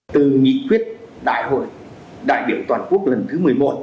từ nghị quyết đại hội đại biểu toàn quốc lần thứ một mươi một một mươi hai một mươi ba